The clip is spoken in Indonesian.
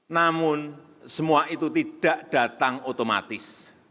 namun semua itu tidak datang otomatis